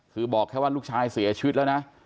คือบอกแค่ว่าลูกชายเสียชีวิตแล้วนะ